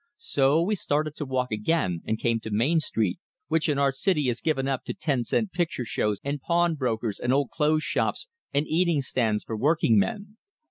So we started to walk again, and came to Main Street, which in our city is given up to ten cent picture shows, and pawn brokers, and old clothes shops, and eating stands for workingmen.